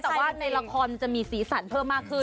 แต่ว่าในละครมันจะมีสีสันเพิ่มมากขึ้น